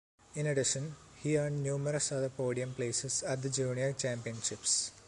In addition, he earned numerous other podium places at the junior championships.